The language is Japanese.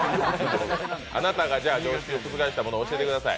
あなたが常識を覆したものを教えてください。